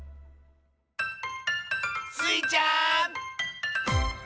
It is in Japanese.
スイちゃん！